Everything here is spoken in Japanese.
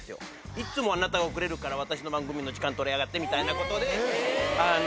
いっつもあなた遅れるから私の番組の時間とりやがって、みたいな。